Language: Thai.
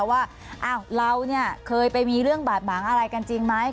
ว่าเราเนี่ยเคยไปมีเรื่องบาดหมางอะไรกันจริงไหม